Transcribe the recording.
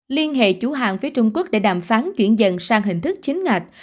liên hệ chủ hàng phía trung quốc để đàm phán chuyển dần sang hình thức chính ngạch